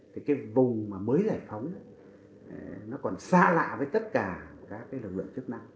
cái vùng mới giải phóng nó còn xa lạ với tất cả các lực lượng